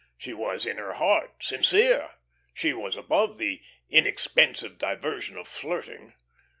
She was, in her heart, sincere; she was above the inexpensive diversion of flirting.